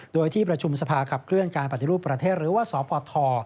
โดยที่ประชุมสภาขับเคลื่อนการปฏิรูปประเทศหรือว่าสปท